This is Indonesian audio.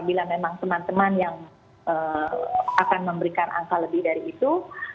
bila memang teman teman yang akan memberikan angka lebih dari itu